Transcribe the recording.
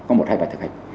có một hai bài thực hành